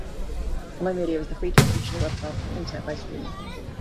Online radio is the free distribution of webcasts on the Internet via streaming.